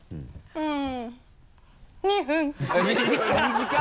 うん。